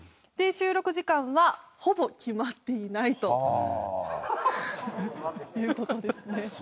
で収録時間はほぼ決まっていないという事ですね。